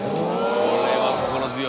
これは心強い。